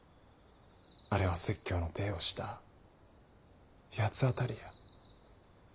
あれは説教のていをした八つ当たりや。